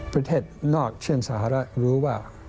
ประเทศนอกเช่นสหรัฐรู้ว่า